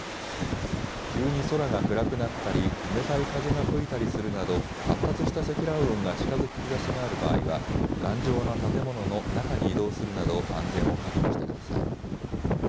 急に空が暗くなったり、冷たい風が吹いたりするなど、発達した積乱雲が近づく兆しがある場合は、頑丈な建物の中に移動するなど、安全を確保してください。